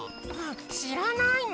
しらないの？